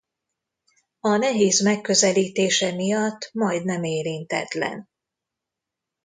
A nehéz megközelítése miatt majdnem érintetlen.